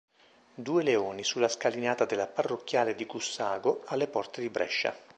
Due leoni sulla scalinata della Parrocchiale di Gussago alle porte di Brescia.